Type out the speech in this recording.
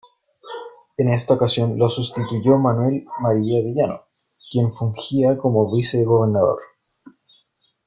En esta ocasión lo sustituyó Manuel María de Llano, quien fungía como vicegobernador.